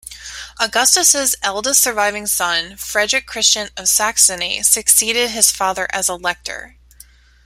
Augustus's eldest surviving son, Frederick Christian of Saxony, succeeded his father as Elector.